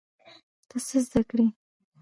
ته څه زده کړې؟